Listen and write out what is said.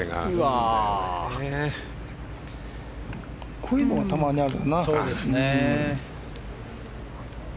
こういうのがたまにあるよな。